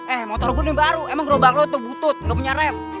eh motor gua nih baru emang gerobak lu tuh butut nggak punya rem